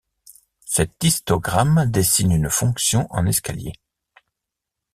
Cet histogramme dessine une fonction en escalier.